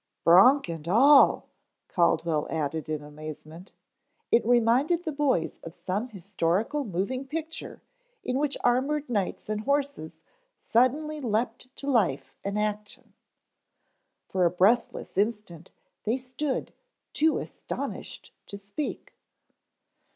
"Bronc and all," Caldwell added in amazement. It reminded the boys of some historical moving picture in which armored knights and horses suddenly leaped to life and action. For a breathless instant they stood too astonished to speak.